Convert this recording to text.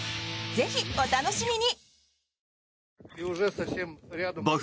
ぜひ、お楽しみに。